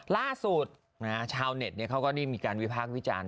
ล่าสูตรของชาวเน็ตเค้าก็เลยมีการวิพากษ์วิจารณ์